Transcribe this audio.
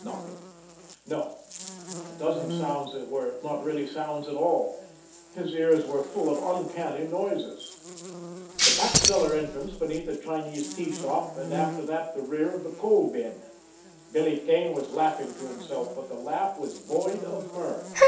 Nothing! No; a dozen sounds that were not really sounds at all. His ears were full of uncanny noises. The back cellar entrance beneath a Chinese tea shop, and after that the rear of the coal bin! Billy Kane was laughing to himself, but the laugh was void of mirth.